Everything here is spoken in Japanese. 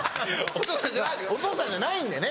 お父さんじゃないんでね